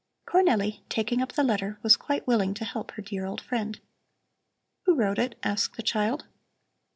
Cornelli, taking up the letter, was quite willing to help her dear old friend. "Who wrote it?" asked the child.